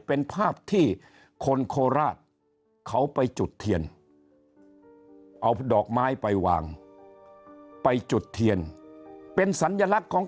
เป็นภาพที่คนโคราชเขาไปจุดเทียนเอาดอกไม้ไปวางไปจุดเทียนเป็นสัญลักษณ์ของ